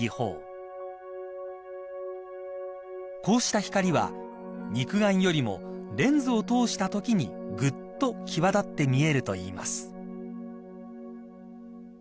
［こうした光は肉眼よりもレンズを通したときにぐっと際立って見えるといいます］